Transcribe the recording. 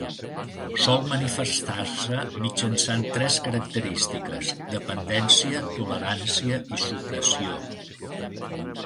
Sol manifestar-se mitjançant tres característiques: dependència, tolerància i supressió.